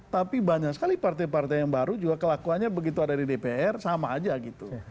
tapi banyak sekali partai partai yang baru juga kelakuannya begitu ada di dpr sama aja gitu